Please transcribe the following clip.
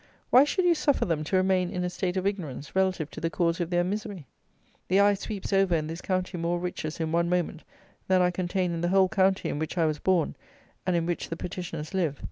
Why should you suffer them to remain in a state of ignorance relative to the cause of their misery? The eye sweeps over in this county more riches in one moment than are contained in the whole county in which I was born, and in which the petitioners live.